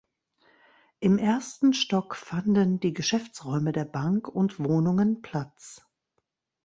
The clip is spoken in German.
Im ersten Stock fanden die Geschäftsräume der Bank und Wohnungen Platz.